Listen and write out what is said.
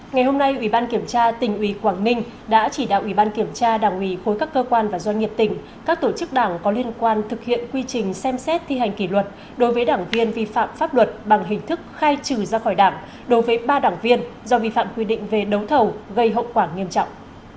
ngày hôm nay ủy ban kiểm tra tỉnh ủy quảng ninh đã chỉ đạo ủy ban kiểm tra đảng ủy khối các cơ quan và doanh nghiệp tỉnh các tổ chức đảng có liên quan thực hiện quy trình xem xét thi hành kỷ luật đối với đảng viên vi phạm pháp luật bằng hình thức khai trừ ra khỏi đảng đối với ba đảng viên do vi phạm quy định về đấu thầu gây hậu quả nghiêm trọng